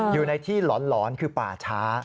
อยู่ในที่หลอนคือป่าช้า